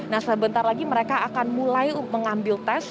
nah sebentar lagi mereka akan mulai mengambil tes